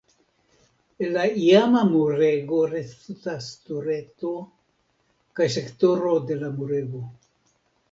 El la iama murego restas tureto kaj sektoro de la murego.